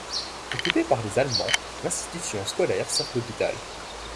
Occupé par les Allemands, l'institution scolaire sert d'hôpital.